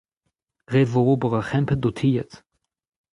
ret e vo ober ur c'hempenn d'ho tilhad.